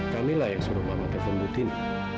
kamilah yang suruh mama telpon bu tini